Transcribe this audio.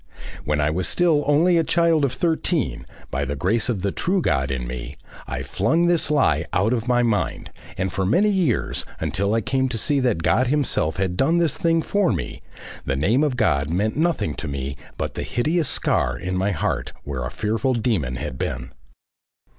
When I was still only a child of thirteen, by the grace of the true God in me, I flung this Lie out of my mind, and for many years, until I came to see that God himself had done this thing for me, the name of God meant nothing to me but the hideous scar in my heart where a fearful demon had been.